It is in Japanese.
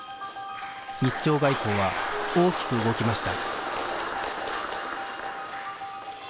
日朝外交は大きく動きました